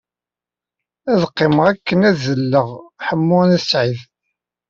Ad qqimeɣ akken ad alleɣ Ḥemmu n At Sɛid.